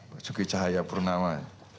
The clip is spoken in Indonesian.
basuki cahaya purnama